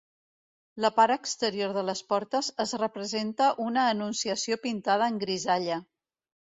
La part exterior de les portes es representa una anunciació pintada en grisalla.